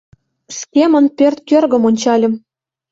Шкемын пӧрт кӧргым ончальым.